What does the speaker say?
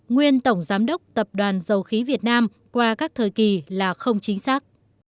nguyên tổng giám đốc tập đoàn dầu khí việt nam qua các thời kỳ là không chính xác